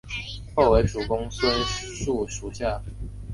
后为蜀公孙述属下。